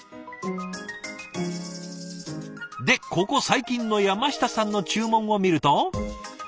でここ最近の山下さんの注文を見ると。